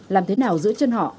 làm thế nào giữ chân họ